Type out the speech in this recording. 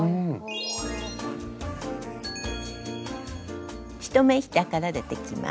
１目下から出てきます。